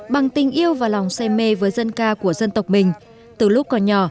bằng tình yêu và lòng say mê với dân ca của dân tộc mình từ lúc còn nhỏ